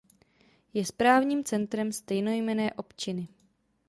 Je správním centrem stejnojmenné občiny.